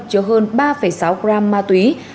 chứa hơn ba sáu gram ma túy